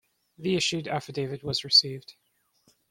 The issued affidavit was received.